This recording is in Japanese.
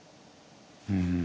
うん。